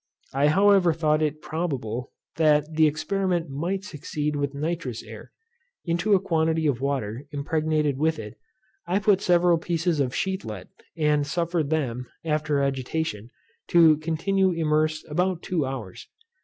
I however thought it probable, that the experiment might succeed with nitrous air. Into a quantity of water impregnated with it, I put several pieces of sheet lead, and suffered them, after agitation, to continue immersed about two hours.